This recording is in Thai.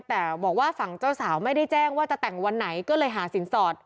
แต่บอกว่าฝั่งเจ้าสาวไม่ได้แจ้งว่าจะแต่งวันไหนก็เลยหาสินสอด